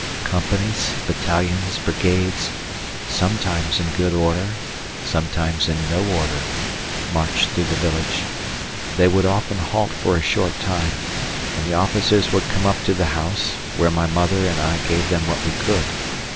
Companies, battalions, brigades, sometimes in good order, sometimes in no order, marched through the village. They would often halt for a short time, and the officers would come up to the house, where my mother and I gave them what we could.